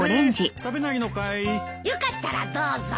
よかったらどうぞ。